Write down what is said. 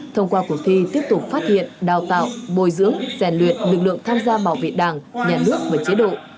thông qua cuộc thi tiếp tục phát hiện đào tạo bồi dưỡng rèn luyện lực lượng tham gia bảo vệ đảng nhà nước và chế độ